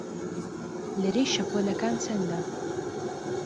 لەرەی شەپۆڵەکان چەندە؟